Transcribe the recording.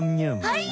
はい！